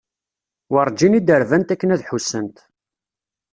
Werǧin i d-rbant akken ad ḥussent.